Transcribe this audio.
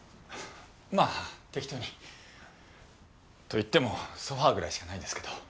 まあ適当に。と言ってもソファぐらいしかないですけど。